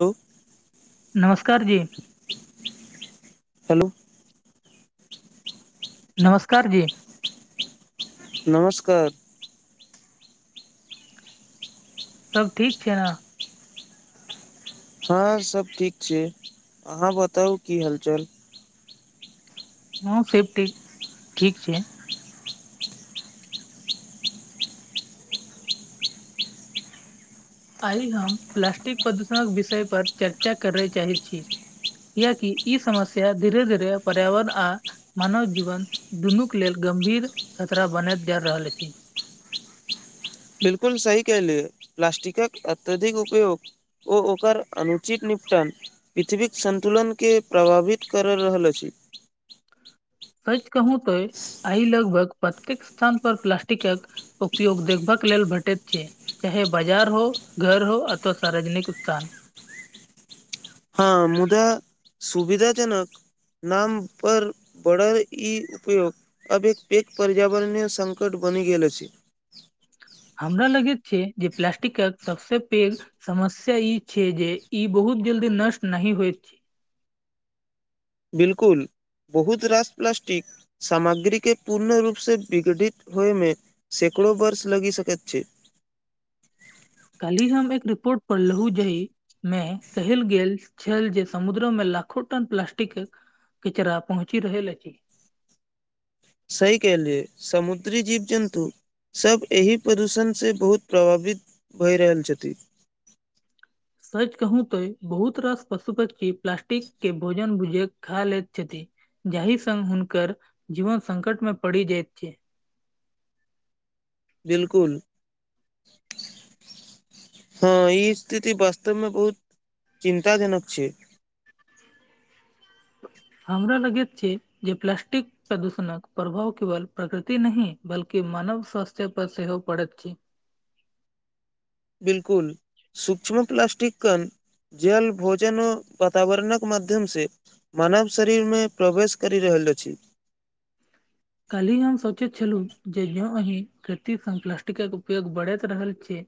दू [unintelligible] नमस्कार जी हेलो नमस्कार जी नमस्कार सब ठीक छै ना हँ सब ठीक छै अहाँ बताउ की हालचाल हँ सेफ्टी ठीक छै आइ हम प्लास्टिक प्रदूषणक विषय पर चर्चा करय चाहैत छी कियकि ई समस्या धीरे धीरे पर्यावरण आ मानव जीवन दुनूक लेल गंभीर खतरा बनल जा रहल अछि बिल्कुल सही कहलिय प्लास्टिकक अत्यधिक उपयोग ओ ओकर अनुचित निपटन पृथ्वीक संन्तुलनके प्रभावित कर रहल अछि सच कहू तो आई लगभग प्रत्येक स्थान पर प्लास्टिकक उपयोग देखभ के लेल भेटैत छै चाहे बाजार हो घर हो अथवा सार्वजनिक स्थान हँ मुदा सुविधाजनक नाम पर बढ़ल ई उपयोग अब एक पेेग पर्यावरणय संकट बनि गेल अछि हमरा लगैत छै जे प्लास्टिक सबसे पैघ समस्या ई छै जे ई बहुत जल्दी नष्ट नहि होइत छै बिलकुल बहुत रास प्लास्टिक सामाग्रीके पूर्ण रूपसँ विघटित होइमे सैकड़ो वर्ष लगि सकैत छै कल्हि हम एक रिपोर्ट पढ़लहुं जेहि मे कहल गेल छल जे समुद्रमे लाखो टन प्लास्टिकक किचरा पहुँची रहल अछि सही केलिय समुद्री जीव जन्तु सभ एहि प्रदूषणसँ बहुत प्रभावित भए रहल छथिन सच कहू तो बहुत रास पशु पक्षी प्लास्टिक के भोजन भुजक खा लेैत छथि जाहि संग हुनकर जीवन संकट मे पड़ि जाइत छै बिलकुल हँ ई स्थिति वास्तवमे बहुत चिन्ता जनक छै हमरा लगैत छै जे प्लास्टिक प्रदूषणक प्रभाव केवल प्रकृति नहि बल्कि मानव स्वास्थ्य पर सेहो पड़ैत छै बिलकुल सूक्ष्म प्लस्टिक कन जल भोजन वातावरणक माध्यम से मानव शरीरमे प्रवेश करि रहल अछि। काल्हि हम सोचैत छलहुँ जे जँ अही खेतीसँ प्लास्टिकक उपयोग बढ़ैत रहल छै।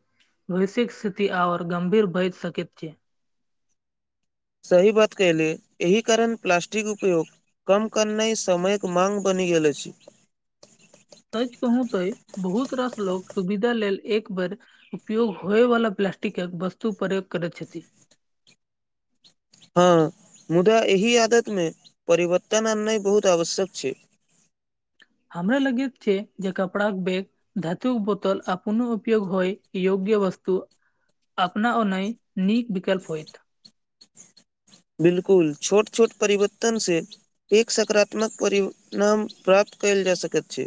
भविष्यक स्थिति आर गंभीर भऽ सकैत छै। सही बात कहलहुँ, एहि कारण प्लास्टिकक उपयोग। कम करना ही समयक माँग बनि गेल छै। सच कहू तऽ बहुत तरहक लोक सुविधा लेल एक बेर उपयोग होएवाला प्लास्टिकक वस्तु प्रयोग करैत छथि। हँ, मुदा एहि आदतिमे परिवर्तन अननाइ बहुत आवश्यक छै। हमरा लगैत छै जे कपड़ाक बैग धातुक बोतल आ पुन उपयोग होय योग्य वस्तु। अपना ओ नीक विकल्प होइत। बिल्कुल छोट-छोट परिवर्तनसँ। एक सकारात्मक परिणाम प्राप्त कऽ सकैत छी।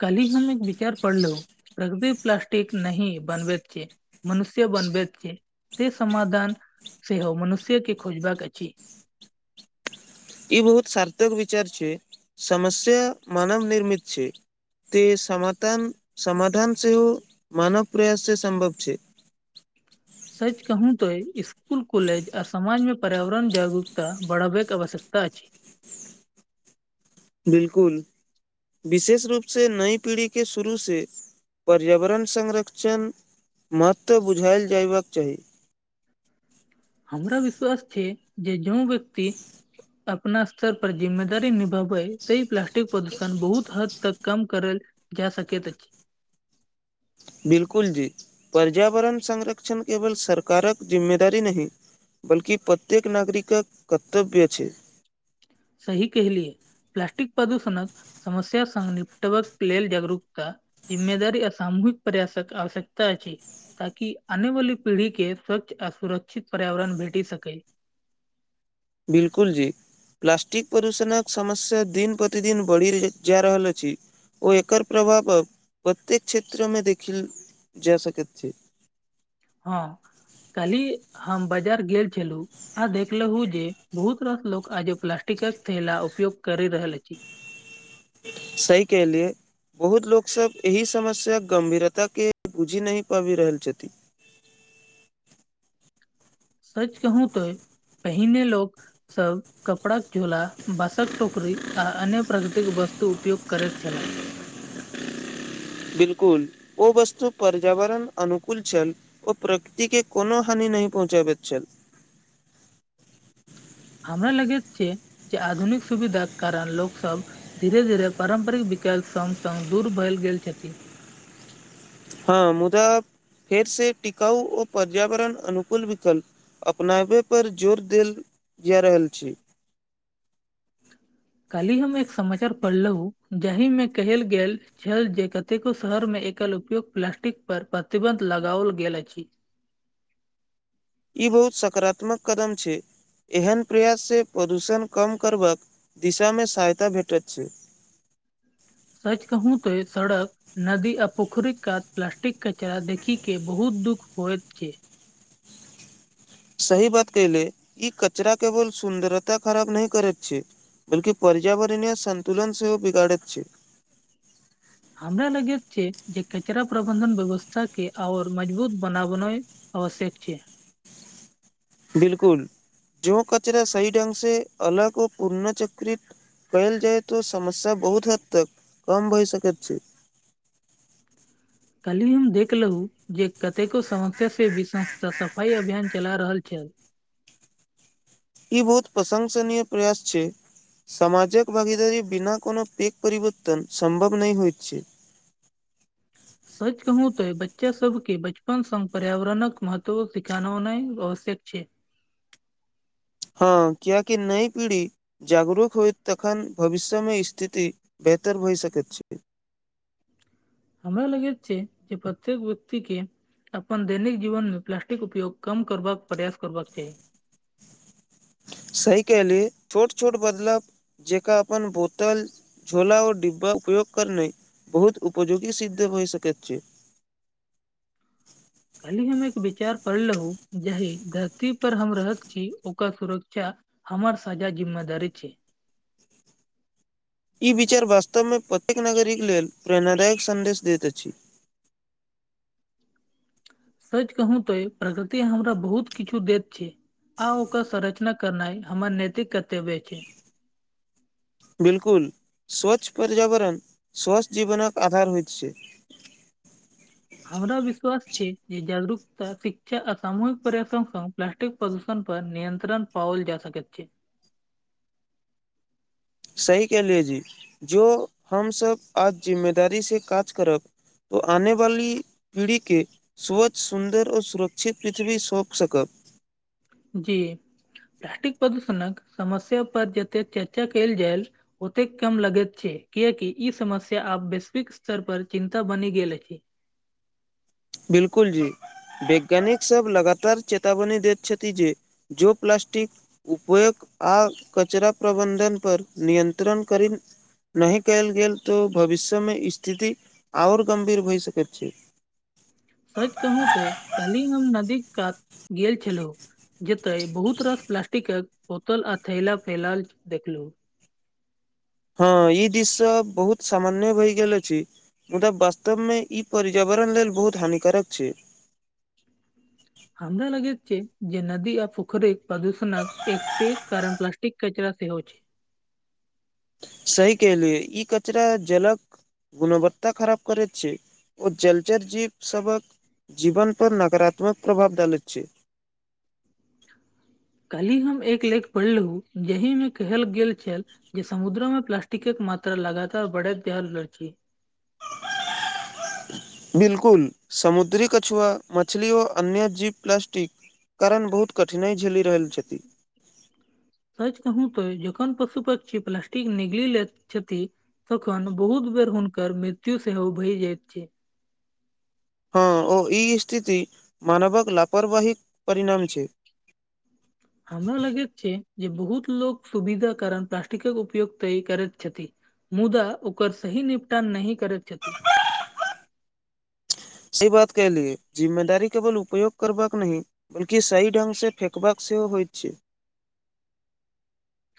काल्हि हम एक विचार पढ़लहुँ, प्रकृति प्लास्टिक नहि बनबैत छै। मनुष्य बनबैत छै, से समाधान सेहो मनुष्यके खोजबाक अछि। ई बहुत सार्थक विचार छै, समस्या मानव-निर्मित छै। तऽ समान समाधान सेहो मानव प्रयाससँ सम्भव छै। सच कहू तऽ ई स्कूल, कॉलेज आ समाजमे पर्यावरण जागरूकता बढ़ेबाक आवश्यकता अछि। बिल्कुल, विशेष रूपसँ नवी पीढ़ीके शुरूसँ। पर्यावरण संरक्षणक महत्त्व बुझाओल जायबाक चाही। हमरा विश्वास छै जे जे व्यक्ति हमरा विश्वास छै जे जे व्यक्ति अपना स्तरपर जिम्मेदारी निभाबै, तऽ ई प्लास्टिक प्रदूषण बहुत हद तक कम कऽ सकैत अछि। बिल्कुल जी, पर्यावरण संरक्षण केवल सरकारक जिम्मेदारी नहि। बल्कि प्रत्येक नागरिकक कर्तव्य छै। सही कहलियै, प्लास्टिक प्रदूषणक समस्यासँ निपटबाक लेल जागरूकता जिम्मेदारी आ सामूहिक प्रयासक आवश्यकता छै। ताकि आनेवाला पीढ़ीके स्वच्छ आ सुरक्षित पर्यावरण भेटि सकै। बिल्कूल जी प्लास्टिक प्रदूषणक समस्या दिन-प्रतिदिन बढ़ि रहल अछि। ओकर प्रभाव प्रत्येक क्षेत्रमे देखल जा सकैत छै। हँ, काल्हि हम बाजार गेल छलहुँ। आ देखलहुँ जे बहुत रास लोक आज प्लास्टिकक थैला उपयोग कऽ रहल छथि। सही काहिये। बहुत रास लोकसभ एहि समस्याक गम्भीरताके बुझि नहि पाबि रहल छथि। सच कहू तऽ पहिने लोकसभ कपड़ाक झोला, बाँसक टोकरी आ अन्य प्राकृतिक वस्तु उपयोग करैत छलाह। बिल्कुल, ओ वस्तु पर्यावरण-अनुकूल छल। ओ प्रकृतिक कोनो हानि नहि पहुँचबैत छल। हमरा लगै छै जे आधुनिक सुविधाक कारण लोकसभ धीरे-धीरे पारम्परिक विकल्पसभ दूर भऽ गेल छथि। हँ, मुदा फेरसँ टिकाऊ आ पर्यावरण-अनुकूल विकल्प अपनाबैपर जोर देल जा रहल छै। काल्हि हम एक समाचार पढ़लहुँ, जाहिमे कहल गेल छल जे कतेको शहरमे एकल-उपयोग प्लास्टिकपर प्रतिबन्ध लगाओल गेल अछि। ई बहुत सकारात्मक कदम छै। एहन प्रयाससँ प्रदूषण कम करबाक दिशामे सहायता भेटैत छै। सच कहू तऽ सड़क नदी आ पोखरीक कात प्लास्टिकक कचरा देखि कऽ बहुत दुःख होइ छै। सही बात केले ई कचरा केवल सुन्दरता खराब नही करैत छै बल्किपर्यावरणय सतुलन सेहो बिगाड़ैत छै हमरा लगैत छै जे कचरा प्रबंधन व्यवस्था के आऔर मजबूत बनाबउ आवश्यक छै बिलकुल जो कचरा सही ढ्ंग से अलग ओ पुनःचक्रित कैल जाय तो समस्या बहुत हद तक कम भए सकैत छै कली हम देखलहु जे केतेको समस्या से भ तऽ सफाइ अभियान चला रहल छै ई बहुत प्रशंसनीय प्रयास छै समामाजक भागीदारी बिना कोनो पिक परिवर्तन सम्भव नहि होए छै सच कहू तो बच्चा सबके बचपन स पर्यावरणक महत्व सिखाननाउ आवश्यक छै हँ क्याकि कि नई पीढ़ी जागरूक होइत तखन भविष्यमे स्थिति बेहतर होए सकैत छै हमरा लगै छै जे प्रत्येक व्यक्ति के अपन दैनिक जीवन में प्लास्टिक उपयोग कम करबाक प्रयास करबाक चाहि सही कली छोट छोट बदलाव जेका अपन बोतल झोला ओ डिब्बा उपयोग करनाए बहुत उपयोगी सिद्ध होइ सक छै काल्हि हम एक विचार पढ़लहु जाहि धरती पर हम रहत छि ओकर सुरक्षा हमर साजा जिम्मेदारी छै ई विचार वास्तवमे प्रत्येक नागरिक लेल प्रेरणादायक सन्देश दैत अछि सच कहू तो प्रकृति हमरा बहुत किछु दैत छि आ ओकर संरचना करनाइ हमर नैतिक कर्तव्य छी बिलकुल स्वच्छ पर्यावरण स्वच्छ जीवनकक आधार हो छै हमरा विश्वास छि जे जागरूकता शिक्षा आ सामूहिक प्रया प्रदूषण पर नियंत्रण पाओल जा सकैत छि सही कहलियए जी जो हमसब आज जिम्मेदारी से काज करब ओ आने वाली पीढ़ी के स्वच्छ सुन्दर औ सुरक्षित पृथ्वी सौंप सकब जी प्लास्टिक प्रदूषणक समस्या पर जते चर्चा कल जायल ओतैक कम लगैत छै कियकि ई समस्या आब वैश्विक स्तर पर चिन्ता बनि गेल अछि बिलकुल जी वैज्ञानिक सब लगातार चेतावनी दैत छथि जे जो प्लास्टिक उपयोग आ कचरा प्रबन्धन पर नियंत्रण कर नहि कयल गेल तऽ भविष्यमे स्थिति आओर गम्भीर होइत सकैत छि सचकहू ते की हम नदी क कात गेल छलौ जेते बहुत रास प्लास्टिक के बोतल आ थैला फैलाल देखलु हँ ई दिश सब बहुत सामान्य भय गेल अछि मुदा वास्तव मे ई पर्यावरण लेल बहुत हानिकारक छै हमरा लगैत छै जे नदी आ पोखर प्रदूषणक एक पैघ कारण प्लास्टिक कचरा सेहो छै सही कहलिए ई कचरा जलक गुणवत्ता खराब करैत छै ओ जलचर जीव सबक जीवन पर नकारात्मक प्रभाव डाले छै कालहि हम एक लेख पढ़लहु जहिमे कहल गेल छेल जे समुद्र में प्लास्टिक एक मात्रा लगातार बड़ल जाल अछिई [unintelligible] बिल्कुल समुद्री कछुआ मछली ओ अन्य जीव प्लस्टिक कारण बहुत कठिनाइ झेलि रहल छि सच कहू त जखन पशु पक्षी प्लास्टिक निगलि लेति छथिन्ह तखन बहुत बेर हुनकर मृत्यु सेहो भय जाइत छे हँ ओ ई स्थिति मानवक लापरवाहीक परिणाम छै। हमरा लगैत छै जे बहुत लोग सुविधा कारण प्लास्टिकक उपयोग तेय करैत छथि मुदा ओकर सहि निपटान नहि करैत छथि सही बात कलिये जिम्मेदारी केवल उपयोग करबाक नहि बल्की सही ढङंगसँ फेेकबाकाक सेहो होइ छै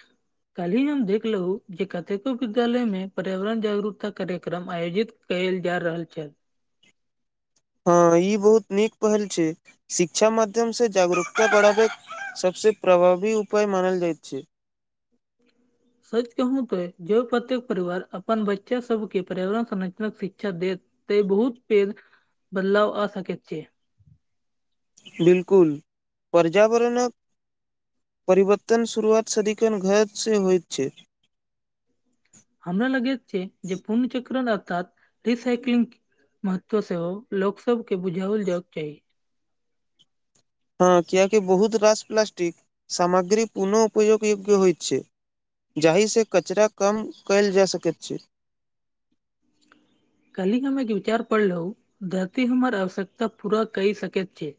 ह काल्हि हम देखलहु जे कतेको विद्यालय मे पर्यावरण जागरूकता कार्यक्रम आयोजित कयल जा रहल छैथ हँ ई बहुत नीक पहल छै शिक्षा माध्यम से जागरूकता बढ़ाबे के सबसे प्रभावी उपाय मानल जाइत छै। सच कहू तोै जो प्रत्येक परिवार अपन बच्चा सबके पर्यावरण संरचना शिक्षा देत त बहुत पेर बदलाव आ सकेत छै बिल्कुल पर्यावरणक परिवतन शुरुआत सदखन घर से होइत छै हमरा लगे छै जे पूर्णचक्र अर्थात रिसइकलिंग ' महत्व सेहो लोक सब के बुझाओल जायक चाही हँ कियाकि बहुत राश प्लास्टिक सामग्री पुनः उपयोग योग्य होइ छै जाहिसँ कचरा कम कयल जा सकैत छै। कल्हि हमे एक विचार पढलू धरती हमर आवश्यकता पूरा कै सकै छै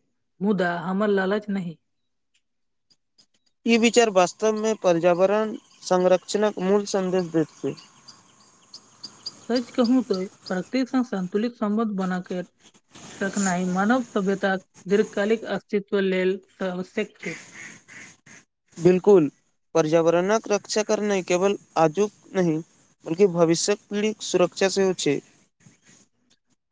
मुदा हमर लालच नहि ई विचार वास्तवमे पर्यावरण संरक्षणक मूल सन्देश देतै छै सच कहू तऽ सँ संन्तुलित संबंध बनाके रखनाइ मानव सभ्यता दीर्घकालिक अस्तित्व लेल आवश्यक छै ' बिल्कुल पर्यावरणक रक्षा करनाइ केवल आजुक नहि भविष्यक सुरक्षा सेहो छै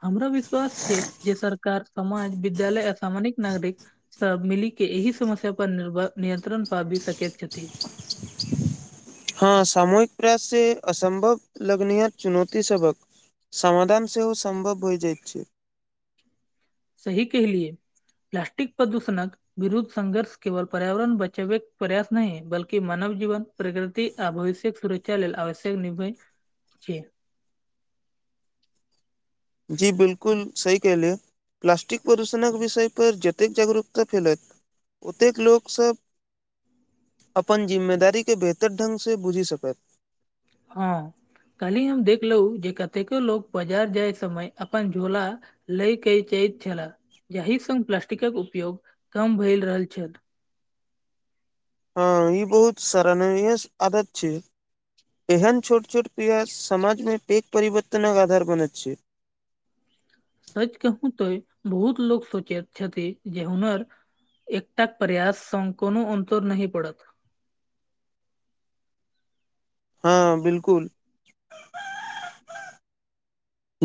हमर विश्वास छै जे सरकार समाज विद्यालय अ सामाजिक नागरिक। सब मिली के एहि समस्य पर नि नियन्त्रण पाबी सकैत छथि हँ सामूहिक प्रयास से असम्भव लगनीयत चुनौती सबक ' समाधान सेहो सम्भव म जाइ छै सही कहलियए प्लासस्टिक प्रदूषणक ' विरुद्ध संघर्ष केवल पर्यावरण बचबैक प्रयास नहि बल्कि मानव जीवन प्रकृति आ भविष्यक सुरक्षा लेल आवश्यक निर्भय छी। जी बिल्कुल सही कहलिय प्लास्टिक प्रदूषणक विषयपर जतेक जागरूकता फैलेथ ओतेक लोकसभ। अपन जिम्मेदारी के बेहतर ढग से बुझि सकैत हँ कलही हम देखलहु जे कतेको लोग बाजार जाय समय अपन झोला लय के जाैत छलाह जाहि संग प्लास्टिकक उपयोग कम भए रहल छल हँ ई बहुत सराहनीय आदत छै। एहन छोट छोट प्रयास समाजमे पैघ परिवर्तनक आधार बनैत छै सच कहू तो बहुत लोग सोचैत छथि जे हुनर एकटा पर्यास संग कोनो अन्तोर नहि पड़त हँ बिल्कुल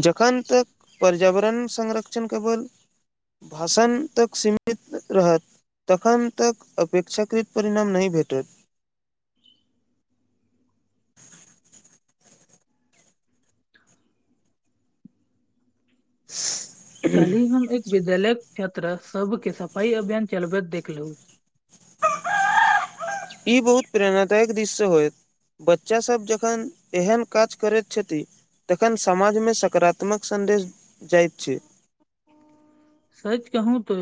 जखन तक पर्यावरण संरक्षण केवल भाषण तक सीमित रहत तखन तक अपेक्षाकृत परिणाम नहि भेटैत काल्हि हम एक विद्यालय क्षेत्र सबके सफाई अभियान चलबैत देखलहु [inaudible] ई बहुत प्रेरणादायक दिश से होयत बच्चासभ जखन एहन काज करै छथि तखन समाज में सकारात्मक सन्देश जायत छै सच कहू त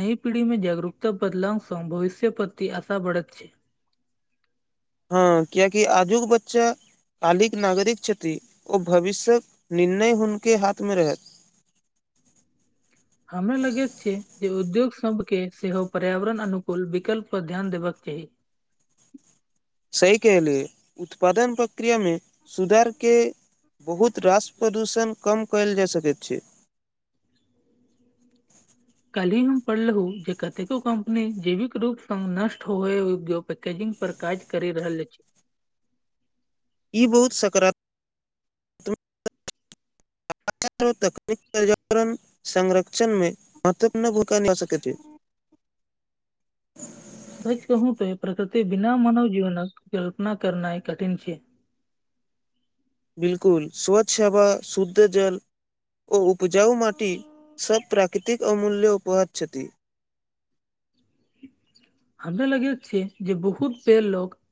नई पीढ़ी में जागरूकता बदलाव स भविष्य प्रति आशा बढछै हँ कियाकि आजुक बच्चा कालिक नागरिक छथिन ओ भविष्यक निर्णय हुनके हाथ में रहे हमरा लगैत छ जे उद्योग सब के सेहो पर्यावरण अनुकूल विकल्प पर ध्यान देबाक चाही सही कहलेय उत्पादन प्रक्रियामे सुधार के बहुत रास प्रदूषण कम कयल जा सकैत छै कल्हि हम पढ़लहुँ जे कतेको कम्पनी जैविक रूप स नष्ट होय पैजिंग पर काज करे रहल अछि ई बहुत सकारात्मक आ तकनीक पर्यावरण संरक्षण में महत्वपूर्ण भूमिका निभा सकैत छै [unintelligible] सच कहू त प्रकृति बिना मानव जीवनक कल्पना करनाय कठिन छै बिल्कुल स्वच्छ सेवा शुद्ध जल ओ उपजाउ माटी सब प्राकृतिक अमूल्य उपहार छथि हमरा लगैत छै जे बहुत पैघ लोग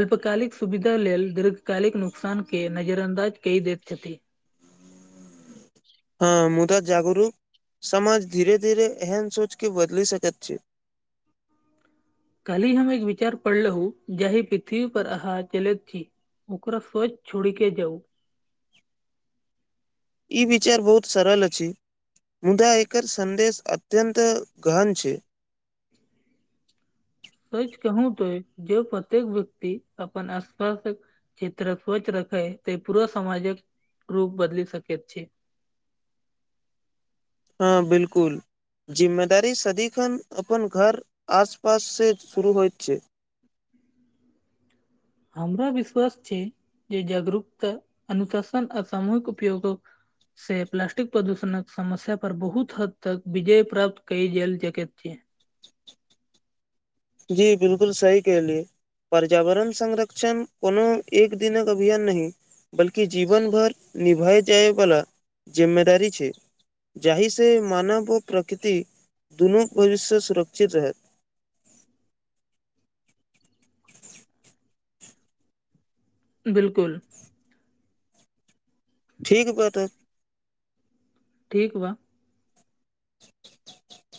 अल्पकालिक सुविधा लेल दीर्घकालिक नुकसान के नजरअन्दाज कै दैत छथि [inaudible] हँ मुदा जागरूक समाज धीरे धीरे एहन सोच के बदलि सकैत छै काल्हि हम एक विचार पढ़लू जहि पृथ्वी पर अह चलैत छी ओकरा स्वच छोड़िके जाउ ई विचार बहुत सरल अछि मुदा एकर सन्देश अत्यन्त गहन छै सच कहू तो जे प्रत्येक व्यक्ति अपन आसपास क्षेत्रक तरफ स्वच्छ रखै त पूरा सामजक रूप बदल सकैत छी हँ बिल्कुल जिम्मेदारी सदिखन अपन घर आसपाससँ शुरू होयत छै हमरा विश्वास छै जे जागरूकता अनुशासन आ सामूहिक उपयोगक से प्लास्टिक प्रदूषणक समस्या पर बहुत हद तक विजय प्राप्त कय जैल सकैत छै जी बिलकु सही कहलियै पर्यावरण संरक्षण कोनो एक दिनक अभियान नै बल्कि जीवन भर निभए जायवला जिम्मेदारी छै जाहिसँ मानव आ प्रकृति दुनू भविष्य सुरक्षित रहै बिलकुल ठीक बात ठीक बा [inaudible]